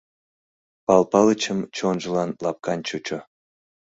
Пал Палычым чонжылан лапкан чучо.